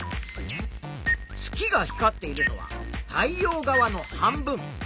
月が光っているのは太陽側の半分。